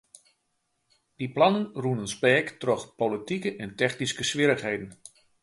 Dy plannen rûnen speak troch politike en technyske swierrichheden.